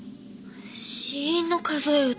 死因の数え唄。